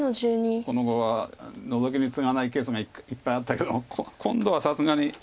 この碁はノゾキにツガないケースがいっぱいあったけども今度はさすがに。